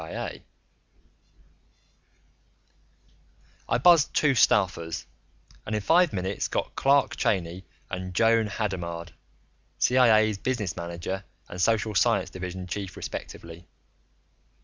I buzzed for two staffers, and in five minutes got Clark Cheyney and Joan Hadamard, CIA's business manager and social science division chief respectively.